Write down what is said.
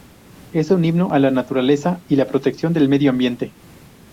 Es un himno a la naturaleza y la protección del medio ambiente.